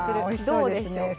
どうでしょう？